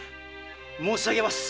申し上げます。